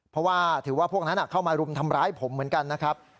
เพราะว่าถือว่าพวกนั้นเข้ามารุมทำร้ายผมเหมือนกันนะครับ